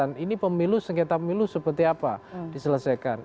jadi ini ada perdebatan ini pemilu sengketa pemilu seperti apa diselesaikan